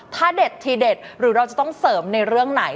ถ้าเด็ดทีเด็ดหรือเราจะต้องเสริมในเรื่องไหน